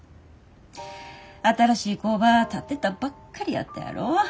新しい工場建てたばっかりやったやろ。